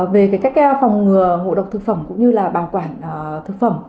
về cách phòng ngừa ngộ độc thực phẩm cũng như là bảo quản thực phẩm